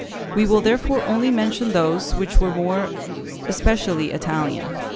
We will therefore only mention those which were more especially Italian.